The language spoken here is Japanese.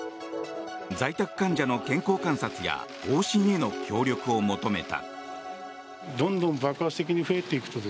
在宅患者の健康観察や往診への協力を求めた。